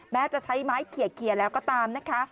แม้จะใช้ไม้เขียแล้วก็ตามนะคะ